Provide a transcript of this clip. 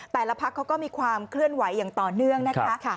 แต่ละพักเขาก็มีความเคลื่อนไหวอย่างต่อเนื่องนะคะ